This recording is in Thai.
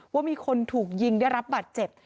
ว่ามีคนถูกยิงได้รับบาดเจ็บ